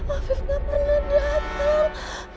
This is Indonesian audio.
afif gak pernah dateng